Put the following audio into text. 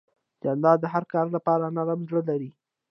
جانداد د هر کار لپاره نرم زړه لري.